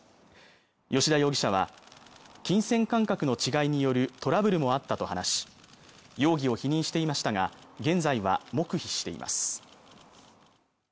吉田容疑者は金銭感覚の違いによるトラブルもあったと話し容疑を否認していましたが現在は黙秘しています